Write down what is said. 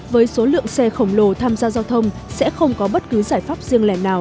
với số lượng xe khổng lồ tham gia giao thông sẽ không có bất cứ giải pháp riêng lẻ nào